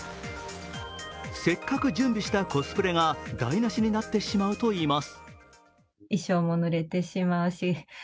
せっかく準備したコスプレが台無しになってしまうといいます。